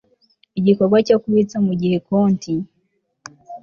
Igikorwa cyo kubitsa mu gihe konti